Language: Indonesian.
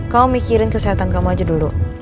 kau mikirin kesehatan kamu aja dulu